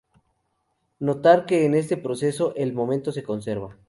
Notar que en este proceso, el momento se conserva.